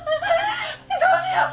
どうしよう？